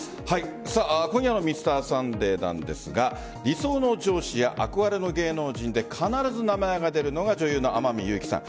今夜の「Ｍｒ．サンデー」なんですが理想の上司や憧れの芸能人で必ず名前が出るのが女優の天海祐希さん。